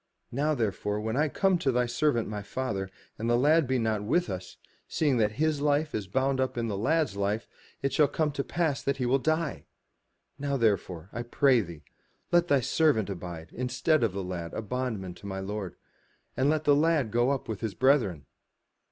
Now therefore when I come to thy servant my father, and the lad be not with us, seeing that his life is bound up in the lad*s life, it shall come to pass that he will die. Now therefore, I pray thee, let thy servant abide instead of the lad a bondman to my lord; and let the lad go up with his brethren.